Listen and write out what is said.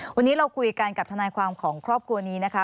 วันนี้เราคุยกันกับทนายความของครอบครัวนี้นะคะ